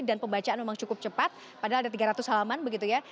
dan pembacaan memang cukup cepat padahal ada tiga ratus halaman begitu ya